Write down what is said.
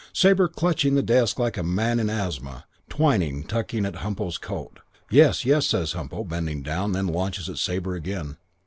Sabre clutching the desk like a man in asthma, Twyning tugging at Humpo's coat. 'Yes, yes,' says Humpo, bending down, then launches at Sabre again.